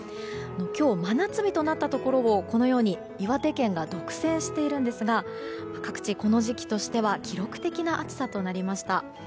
今日、真夏日となったところをこのように岩手県が独占しているんですが各地、この時期としては記録的な暑さとなりました。